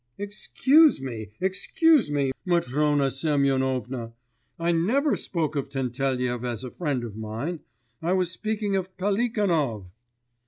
'Excuse me, excuse me, Matrona Semyonovna, I never spoke of Tentelyev as a friend of mine; I was speaking of Pelikanov.